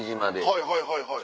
はいはいはいはい。